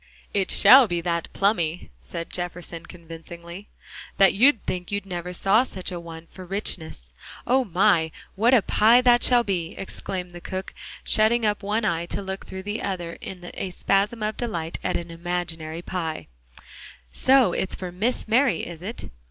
"It shall be that plummy," said Jefferson convincingly, "that you'd think you never saw such a one for richness. Oh, my! what a pie that shall be!" exclaimed the cook, shutting up one eye to look through the other in a spasm of delight at an imaginary pie; "so it's for Miss Mary, is it?"